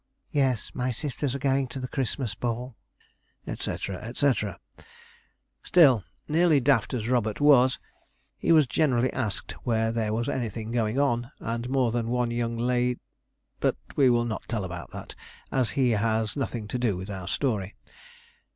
"Yes, my sisters are going to the Christmas ball," &c. &c. Still, nearly daft as Robert was, he was generally asked where there was anything going on; and more than one young la but we will not tell about that, as he has nothing to do with our story.